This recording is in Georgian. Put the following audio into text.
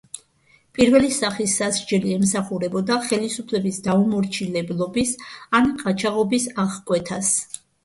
პირველი სახის სასჯელი ემსახურებოდა ხელისუფლების დაუმორჩილებლობის ან ყაჩაღობის აღკვეთას.